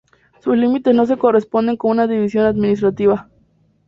Sus límites no se corresponden con una división administrativa.